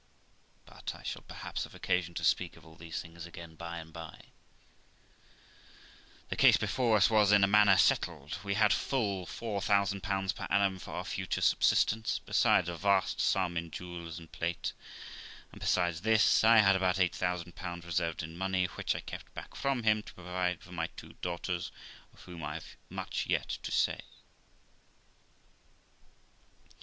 But I shall perhaps have occasion to speak of all these things again by and by; the case before us was in a manner settled; we had full four thousand pounds per annum for our future subsistence, besides a vast sum in jewels and plate; and, besides this, I had about eight thousand pounds reserved in money which I kept back from him, to provide for my two daughters, of whom I have much yet to say.